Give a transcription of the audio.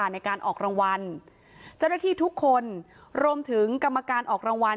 ในการออกรางวัลเจ้าหน้าที่ทุกคนรวมถึงกรรมการออกรางวัล